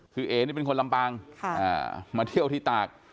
คือเอ๋นี่เป็นคนลำปางมาเที่ยวที่ตาก